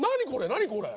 何これ？